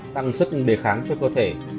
tăng sức đề kháng cho cơ thể